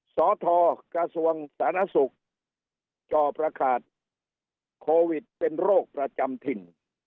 สทกระทรวงสาธารณสุขจอประกาศโควิดเป็นโรคประจำถิ่น